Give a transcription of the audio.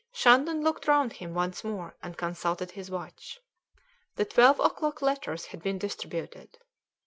Shandon looked round him once more and consulted his watch. The twelve o'clock letters had been distributed.